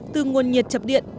từ nguồn nhiệt chập điện